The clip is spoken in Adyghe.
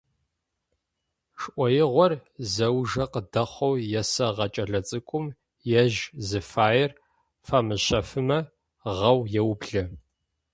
Шӏоигъор зэужэ къыдэхъоу есэгъэ кӏэлэцӏыкӏум ежь зыфаер фамыщэфымэ гъэу еублэ.